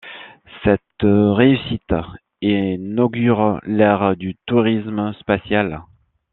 Cette réussite inaugure l'ère du tourisme spatial.